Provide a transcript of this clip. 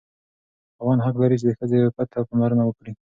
خاوند حق لري چې د ښځې عفت ته پاملرنه وکړي.